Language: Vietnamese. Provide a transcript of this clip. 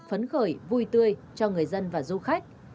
phấn khởi vui tươi cho người dân và du khách